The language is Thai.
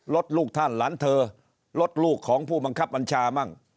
ลูกท่านหลานเธอรถลูกของผู้บังคับบัญชามั่ง